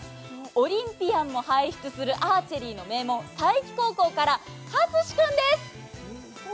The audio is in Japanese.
オリンピアンも輩出するアーチェリーの名門、佐伯高校から蓮子君です。